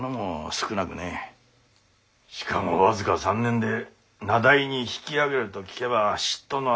しかも僅か３年で名題に引き上げると聞けば嫉妬の嵐。